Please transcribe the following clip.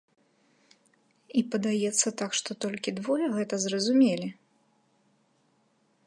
І, падаецца, так што, толькі двое гэта зразумелі?